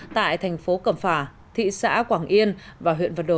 tại thành phố cẩm phả thị xã quảng yên và huyện vật đồ